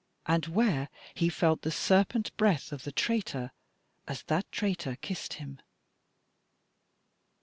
and where he felt the serpent breath of the traitor as that traitor kissed him.'"